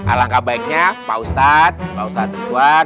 alangkah baiknya pak ustadz pak ustadz